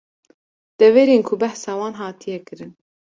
Deverên ku behsa wan hatiye kirin